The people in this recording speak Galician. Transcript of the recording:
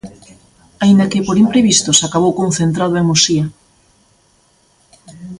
Aínda que, por imprevistos, acabou concentrado en Muxía.